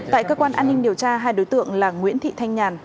tại cơ quan an ninh điều tra hai đối tượng là nguyễn thị thanh nhàn